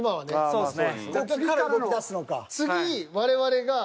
そうですね。